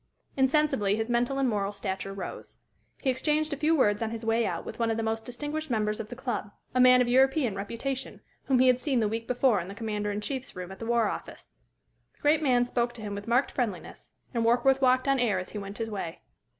Insensibly his mental and moral stature rose. He exchanged a few words on his way out with one of the most distinguished members of the club, a man of European reputation, whom he had seen the week before in the Commander in Chief's room at the War Office. The great man spoke to him with marked friendliness, and Warkworth walked on air as he went his way.